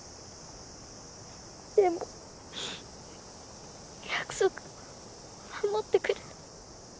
でも約束守ってくれた。